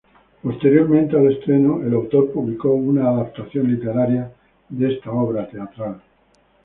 Posteriormente al estreno, el autor publicó una adaptación literaria de esta obra teatral.